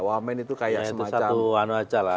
wamen itu kayak semacam